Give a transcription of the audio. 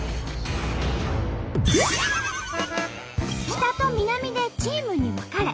北と南でチームに分かれ